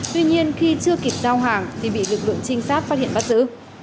tuy nhiên khi chưa kịp giao hàng thì bị lực lượng trinh sát phát hiện bắt giữ